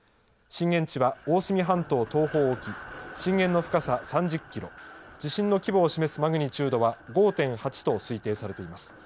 震源地は大隅半島東方沖、震源の深さ３０キロ、地震の規模を示すマグニチュードは５．８と推定されています。